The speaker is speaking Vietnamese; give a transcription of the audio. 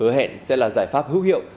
hứa hẹn sẽ là giải pháp hữu hiệu